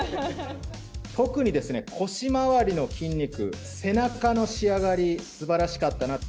特に腰回りの筋肉、背中の仕上がり、すばらしかったなと。